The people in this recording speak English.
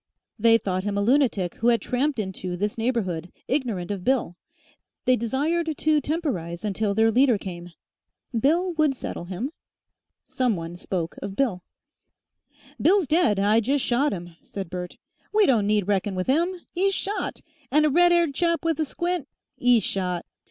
They thought him a lunatic who had tramped into, this neighbourhood ignorant of Bill. They desired to temporise until their leader came. Bill would settle him. Some one spoke of Bill. "Bill's dead, I jest shot 'im," said Bert. "We don't need reckon with 'IM. 'e's shot, and a red 'aired chap with a squint, 'E'S shot.